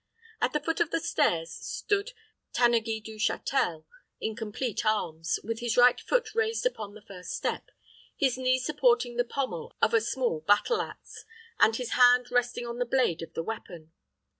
At the foot of the stairs stood Tanneguy du Châtel in complete arms, with his right foot raised upon the first step, his knee supporting the pommel of a small battle ax, and his hand resting on the blade of the weapon.